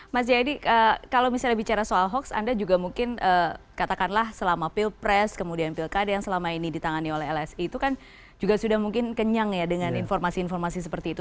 mas jayadi kalau misalnya bicara soal hoax anda juga mungkin katakanlah selama pilpres kemudian pilkada yang selama ini ditangani oleh lsi itu kan juga sudah mungkin kenyang ya dengan informasi informasi seperti itu